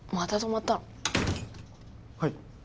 はい。